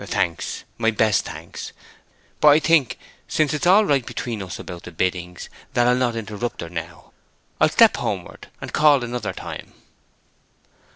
"Thanks—my best thanks....But I think, since it is all right between us about the biddings, that I'll not interrupt her now. I'll step homeward, and call another time."